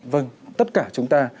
vâng tất cả chúng ta